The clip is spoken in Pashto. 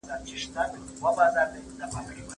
پوهانو به بحث کړی وي.